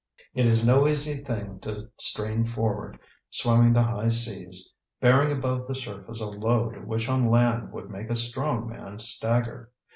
It is no easy thing to strain forward, swimming the high seas, bearing above the surface a load which on land would make a strong man stagger.